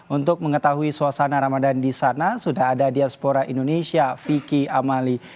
untuk mengetahui suasana ramadan di sana sudah ada diaspora indonesia vicky amali